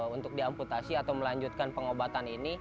untuk diamputasi atau melanjutkan pengobatan ini